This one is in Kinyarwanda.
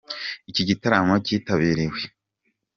Iki gitaramo cyitabiriwe